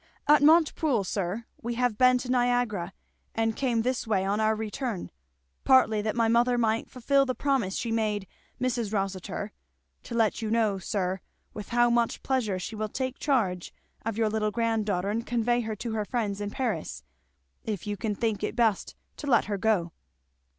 "At Montepoole, sir; we have been to Niagara, and came this way on our return; partly that my mother might fulfil the promise she made Mrs. Rossitur to let you know, sir, with how much pleasure she will take charge of your little granddaughter and convey her to her friends in Paris, if you can think it best to let her go."